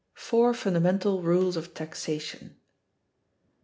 Four fundamental rules of Taxation.